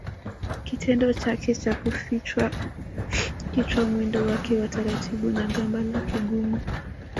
Kitendo chake cha kuficha kichwa mwendo wake wa taratibu na gamba lake gumu